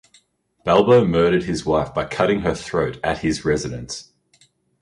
Balbo murdered his wife by cutting her throat at his residence.